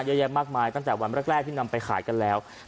เยอะแยะมากมายตั้งแต่วันแรกที่นำไปขายกันแล้ว